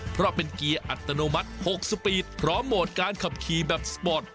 เพราะเป็นเกียร์อัตโนมัติ๖สปีดพร้อมโหมดการขับขี่แบบสปอร์ต